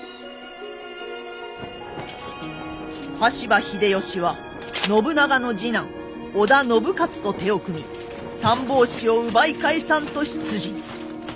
羽柴秀吉は信長の次男織田信雄と手を組み三法師を奪い返さんと出陣。